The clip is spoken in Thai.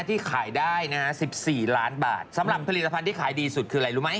ที่ขายได้นะฮะสิบสี่ล้านบาทสำหรับผลิตภัณฑ์ที่ขายดีสุดคืออะไรรู้ไหม